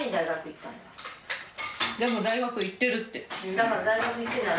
だから大学行ってるなら。